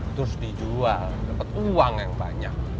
terus dijual dapat uang yang banyak